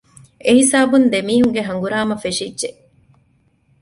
އެހިސާބުން ދެމީހުންގެ ހަނގުރާމަ ފެށިއްޖެ